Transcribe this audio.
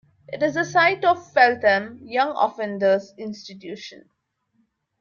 It is the site of Feltham Young Offenders' Institution.